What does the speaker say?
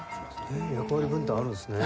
へえ役割分担あるんですね。